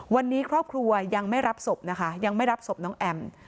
วันนี้ครอบครัวยังไม่รับศพนะคะยังไม่รับศพน้องแอม